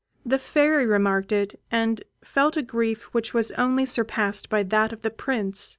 The Fairy remarked it, and felt a grief which was only surpassed by that of the Prince.